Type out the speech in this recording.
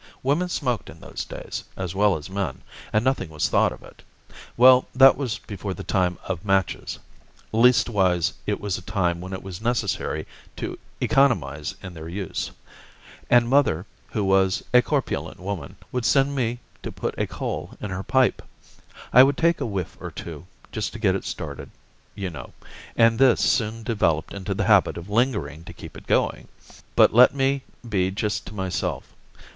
Women smoked in those days, as well as men, and nothing was thought of it. Well, that was before the time of matches, leastwise, it was a time when it was necessary to economize in their use, and mother, who was a corpulent woman, would send me to put a coal in her pipe. I would take a whiff or two, just to get it started, you know, and this soon developed into the habit of lingering to keep it going. But let me be just to myself.